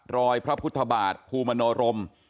รอยพระพุทธบาทภูมิมโนรม